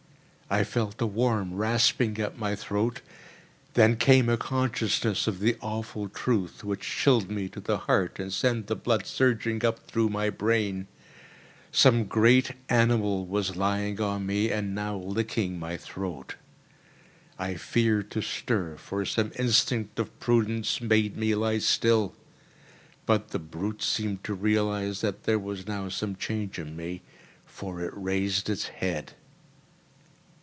I felt a warm rasping at my throat, then came a consciousness of the awful truth, which chilled me to the heart and sent the blood surging up through my brain. Some great animal was lying on me and now licking my throat. I feared to stir, for some instinct of prudence bade me lie still; but the brute seemed to realise that there was now some change in me, for it raised its head.